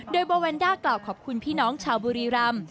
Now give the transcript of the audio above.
โดยโบแวนด้ากล่าวขอบคุณพี่น้องชาวบุรีรำ